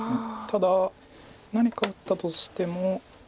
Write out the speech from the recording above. ただ何か打ったとしても。